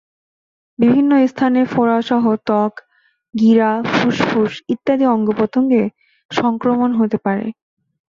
বিভিন্ন স্থানে ফোড়াসহ ত্বক, গিরা, ফুসফুস ইত্যাদি অঙ্গপ্রত্যঙ্গে সংক্রমণ হতে পারে।